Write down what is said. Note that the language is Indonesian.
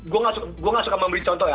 dan gue nggak suka memberi contoh ya